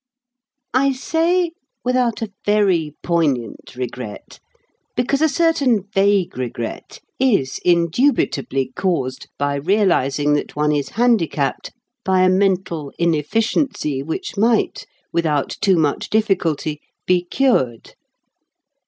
I say, without a very poignant regret, because a certain vague regret is indubitably caused by realizing that one is handicapped by a mental inefficiency which might, without too much difficulty, be cured.